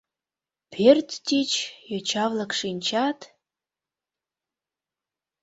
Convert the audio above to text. Пӧрт тич йоча-влак шинчат...